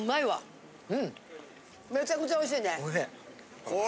めちゃくちゃおいしいね。